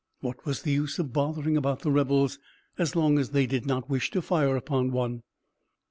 What was the use of bothering about the rebels as long as they did not wish to fire upon one?